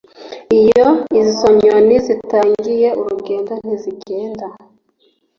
iyo izo nyoni zitangiye urugendo ntizigenda